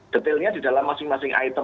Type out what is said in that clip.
detailnya di dalam masing masing item